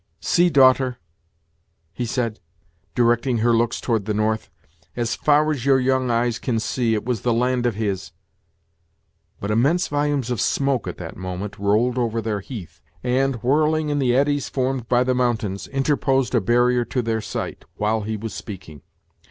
"See, daughter," he said, directing her looks toward the north; "as far as your young eyes can see, it was the land of his. But immense volumes of smoke at that moment rolled over their heath, and, whirling in the eddies formed by the mountains, interposed a barrier to their sight, while he was speaking.